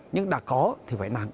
nhưng đã có thì phải làm